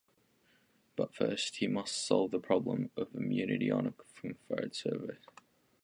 But first he must solve the problem of a mutiny on a Confed cruiser.